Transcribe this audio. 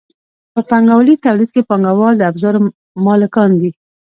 په پانګوالي تولید کې پانګوال د ابزارو مالکان دي.